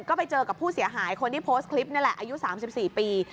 ก็ไปเจอกับผู้เสียหายคนที่โพสต์คลิปนี่แหละอายุ๓๔ปี